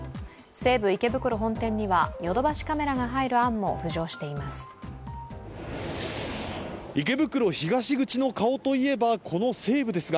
西武池袋本店にはヨドバシカメラが入る案も浮上しています。